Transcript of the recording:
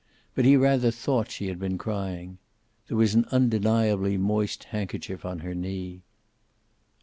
But he rather thought she had been crying. There was an undeniably moist handkerchief on her knee.